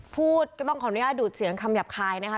พูดก็ต้องขออนุญาตดูดเสียงคำหยาบคายนะคะ